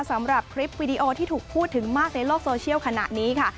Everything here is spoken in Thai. สำหรับคลิปวิดีโอที่ถูกพูดถึงมากในโลกโซเชียลขณะนี้ค่ะ